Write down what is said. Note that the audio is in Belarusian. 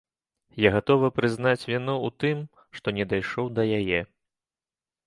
Я гатовы прызнаць віну ў тым, што не дайшоў да яе.